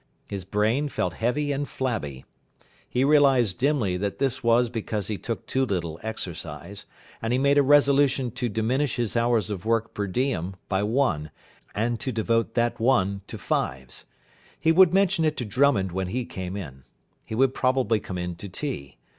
His brain felt heavy and flabby. He realised dimly that this was because he took too little exercise, and he made a resolution to diminish his hours of work per diem by one, and to devote that one to fives. He would mention it to Drummond when he came in. He would probably come in to tea.